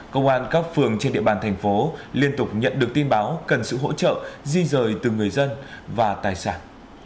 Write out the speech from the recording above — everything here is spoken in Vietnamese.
công an các phường trên địa bàn thành phố liên tục nhận được tin báo cần sự hỗ trợ di rời từ người dân và tài sản